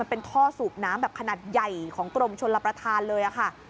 เป็นท่อสูบน้ำแบบขนาดใหญ่ของกรมชนรับประทานเลยค่ะ